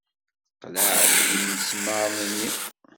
Teqleɛ-d imesmaṛen-nni.